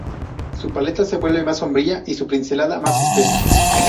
Su paleta se vuelve más sombría y su pincelada más espesa.